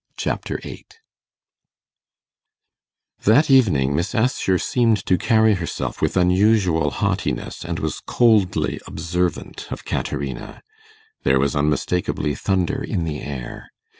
Chapter 8 That evening Miss Assher seemed to carry herself with unusual haughtiness, and was coldly observant of Caterina. There was unmistakably thunder in the air.